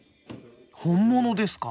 本物ですか？